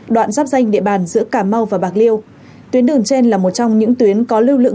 đoạn giáp danh địa bàn giữa cà mau và bạc liêu tuyến đường trên là một trong những tuyến có lưu lượng